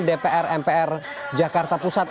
dpr mpr jakarta pusat